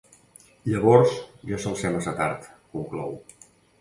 Llavors ja sol ser massa tard, conclou.